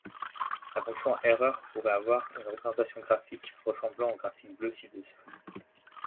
La fonction erreur pour pourrait avoir une représentation graphique ressemblant au graphique bleu ci-dessus.